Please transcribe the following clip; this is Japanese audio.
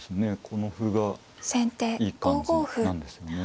この歩がいい感じなんですよね。